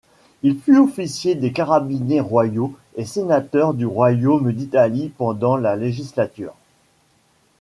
Il fut officier des carabiniers royaux et sénateur du royaume d'Italie pendant la législature.